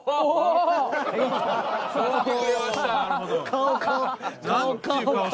顔顔！